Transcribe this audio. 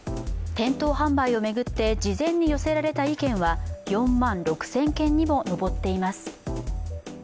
店頭販売を巡って事前に寄せられた意見は４万６０００件にも上っています。